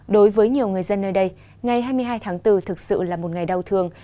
đối với nhiều người dân nơi đây ngày hai mươi hai tháng bốn thực sự là một ngày đau thương